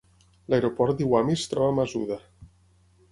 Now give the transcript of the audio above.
L'aeroport d'Iwami es troba a Masuda.